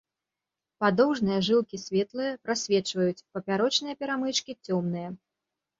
Падоўжныя жылкі светлыя, прасвечваюць, папярочныя перамычкі цёмныя.